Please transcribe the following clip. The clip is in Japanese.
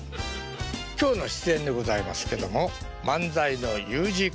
今日の出演でございますけども漫才のＵ字工事さん。